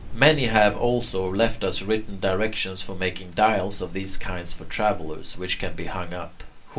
Many have also left us written directions for making dials of these kinds for travellers, which can be hung up.